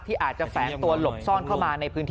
ที่อาจจะแฟนตัวหลบซ่อนเข้ามา